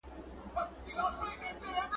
که خلګ قرضونه ونکړي له ستونزو به خلاص سي.